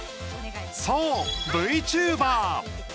そう、ＶＴｕｂｅｒ。